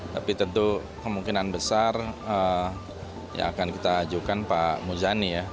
tapi tentu kemungkinan besar yang akan kita ajukan pak muzani ya